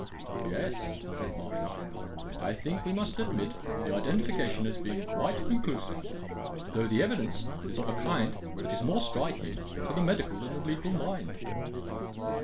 "Yes," said Marchmont; "I think we must admit the identification as being quite conclusive, though the evidence is of a kind that is more striking to the medical than to the legal mind."